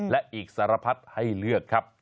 และอีกสารพัดให้เลือกครับ